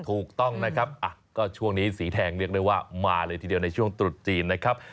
ถูกต้องนะครับก็ช่วงนี้สีแทงเรียกได้ว่ามาเลยทีเดียวในช่วงตรุษจีนนะครับ